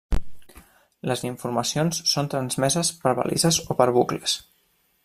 Les informacions són transmeses per balises o per bucles.